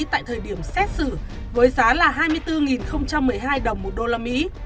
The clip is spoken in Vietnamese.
tại thời điểm xét xử với giá là hai mươi bốn một mươi hai đồng một đô la mỹ